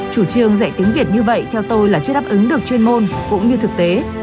chủ trường dạy tiếng việt như vậy theo tôi là chưa đáp ứng được chuyên môn cũng như thực tế